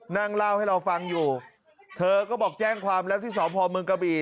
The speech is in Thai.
นั่งเล่าให้เราฟังอยู่เธอก็บอกแจ้งความแล้วที่สพเมืองกะบี่